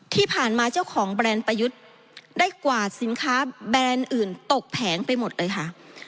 ที่ผ่านมาเจ้าของแบรนด์ประยุทธ์ได้กวาดสินค้าแบรนด์อื่นตกแผงไปหมดเลยค่ะ